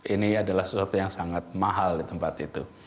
ini adalah sesuatu yang sangat mahal di tempat itu